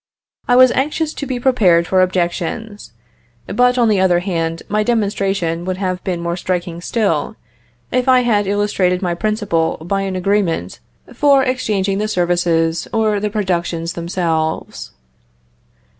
I was anxious to be prepared for objections; but, on the other hand, my demonstration would have been more striking still, if I had illustrated my principle by an agreement for exchanging the services or the productions themselves.